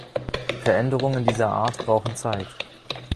Veränderungen dieser Art brauchen Zeit.